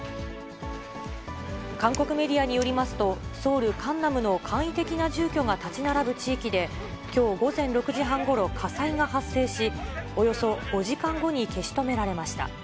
韓国メディアによりますと、ソウル・カンナムの簡易的な住居が建ち並ぶ地域で、きょう午前６時半ごろ、火災が発生し、およそ５時間後に消し止められました。